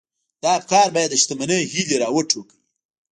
دا افکار بايد د شتمنۍ هيلې را وټوکوي.